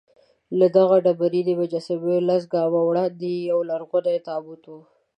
له دغه ډبرینې مجسمې لس ګامه وړاندې یولرغونی تابوت و.